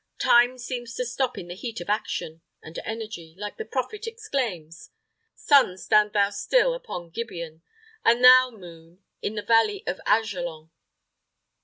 Time seems to stop in the heat of action, and energy, like the prophet, exclaims, "Sun, stand thou still upon Gibeon; and thou, Moon, in the valley of Ajalon!"